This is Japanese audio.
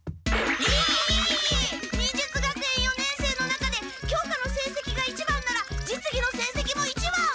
忍術学園四年生の中で教科のせいせきが１番なら実技のせいせきも１番。